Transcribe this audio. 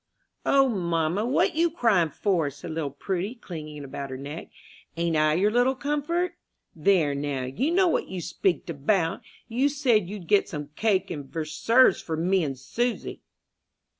"O, mamma, what you crying for?" said little Prudy, clinging about her neck. "Ain't I your little comfort? there, now, you know what you speaked about! You said you'd get some cake and verserves for me and Susy."